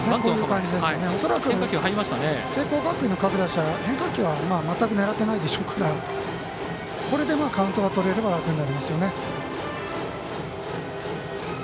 聖光学院の各打者、変化球は全く狙ってないでしょうからこれでカウントが取れれば楽になりますよね。